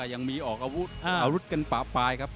ยังมีอาวุธกันปรากฟ้ายครับ